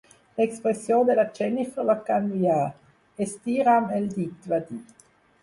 L'expressió de la Jennifer va canviar. "Estira'm el dit" va dir.